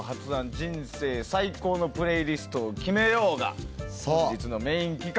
人生最高のプレイリストを決めようが本日のメイン企画。